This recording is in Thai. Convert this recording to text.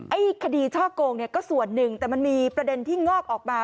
ไอ้คดีช่อโกงเนี่ยก็ส่วนหนึ่งแต่มันมีประเด็นที่งอกออกมา